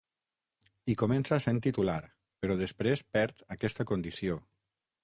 Hi comença sent titular, però després perd aquesta condició.